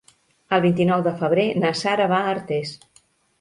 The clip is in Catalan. El vint-i-nou de febrer na Sara va a Artés.